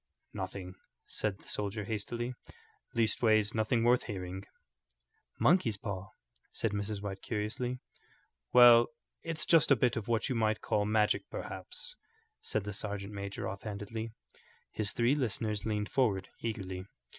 "Nothing," said the soldier, hastily. "Leastways nothing worth hearing." "Monkey's paw?" said Mrs. White, curiously. "Well, it's just a bit of what you might call magic, perhaps," said the sergeant major, offhandedly. His three listeners leaned forward eagerly.